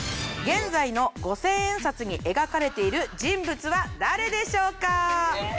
現在の５千円札に描かれている人物は誰でしょうか？